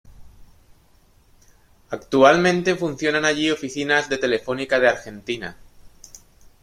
Actualmente funcionan allí oficinas de Telefónica de Argentina.